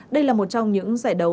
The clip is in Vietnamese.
đây là một trong những giải đấu